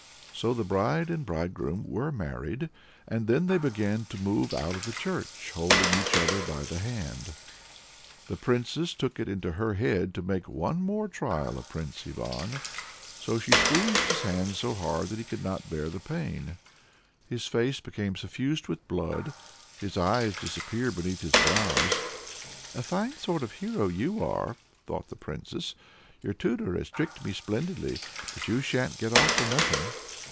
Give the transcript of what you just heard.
So the bride and bridegroom were married, and then they began to move out of the church, holding each other by the hand. The Princess took it into her head to make one more trial of Prince Ivan, so she squeezed his hand so hard that he could not bear the pain. His face became suffused with blood, his eyes disappeared beneath his brows. "A fine sort of hero you are!" thought the Princess. "Your tutor has tricked me splendidly; but you sha'n't get off for nothing!"